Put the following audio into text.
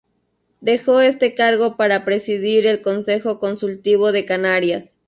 Dejó este cargo para presidir el Consejo Consultivo de Canarias.